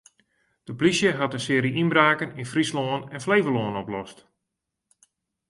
De polysje hat in searje ynbraken yn Fryslân en Flevolân oplost.